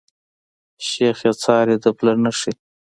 شيخ ئې څاري د پله نخښي